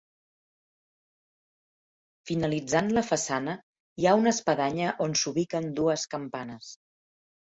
Finalitzant la façana hi ha una espadanya on s'ubiquen dues campanes.